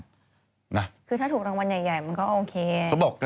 คือถ้าถูกรางวัลใหญ่มันก็โอเค